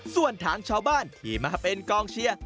ส่วนทางชาวบ้านที่มาเป็นกองเชียร์